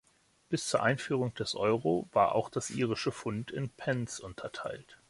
Bis zur Einführung des Euro war auch das Irische Pfund in Pence unterteilt.